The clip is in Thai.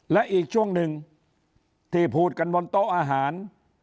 และอีกช่วงหนึ่งที่พูดกันบนโต๊ะอาหาร